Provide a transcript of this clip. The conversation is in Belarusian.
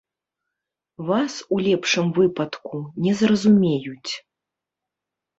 Вас, у лепшым выпадку, не зразумеюць.